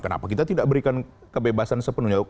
kenapa kita tidak berikan kebebasan sepenuhnya